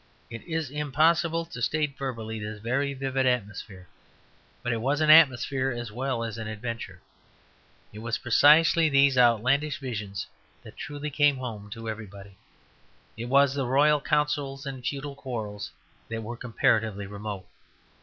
It is impossible to state verbally this very vivid atmosphere; but it was an atmosphere as well as an adventure. It was precisely these outlandish visions that truly came home to everybody; it was the royal councils and feudal quarrels that were comparatively remote.